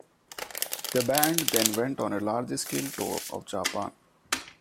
The band then went on a large-scale tour of Japan.